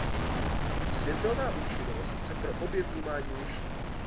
Světelná účinnost se pro obě vnímání liší.